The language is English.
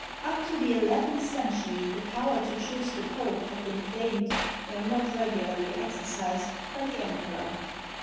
Up to the eleventh century the power to choose the Pope had been claimed, though not regularly exercised, by the Emperor.